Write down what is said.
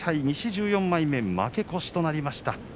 西１４枚目負け越しとなりました。